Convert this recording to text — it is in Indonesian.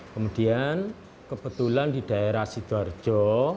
kemudian kebetulan di daerah sidoarjo